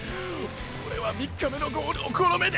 オレは３日目のゴールをこの目で！